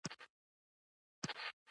کندهار د افغانستان زړه دي